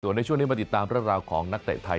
ส่วนในช่วงนี้มาติดตามราวของนักแต่ไทย